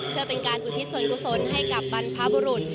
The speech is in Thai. เพื่อเป็นการอุทิศส่วนกุศลให้กับบรรพบุรุษ